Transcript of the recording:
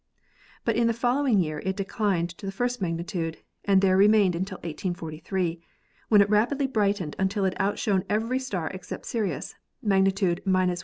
But in the following year it declined to the first magnitude and there remained until 1843, when it rapidly brightened until it outshone every star except Sirius (magnitude — 1.